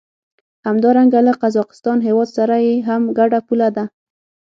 همدارنګه له قزاقستان هېواد سره یې هم ګډه پوله ده.